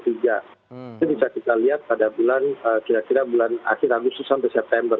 itu bisa kita lihat pada bulan kira kira bulan akhir agustus sampai september